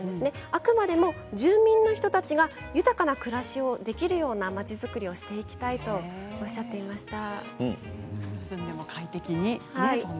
あくまでも住民の人たちが豊かな暮らしをできるような町づくりをしていきたいとおっしゃっていました。